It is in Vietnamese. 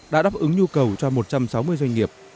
đã đáp ứng nhu cầu cho một trăm sáu mươi doanh nghiệp